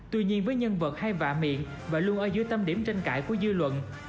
tuy nhiên với nhân vật hay vạ miệng và luôn ở dưới tâm điểm tranh cãi của dư luận